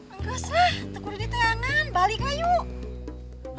anggus lah tukang udah ditoyangan baliklah yuk